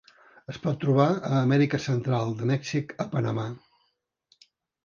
Es pot trobar a Amèrica Central, de Mèxic a Panamà.